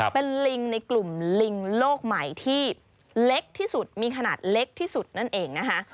เป็นลิงในกลุ่มลิงโลกใหม่ที่เล็กที่สุดมีขนาดเล็กที่สุดนั่นเองนะคะ